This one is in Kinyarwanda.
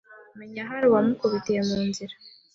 “umenya hari uwamukubitiye mu nzira”.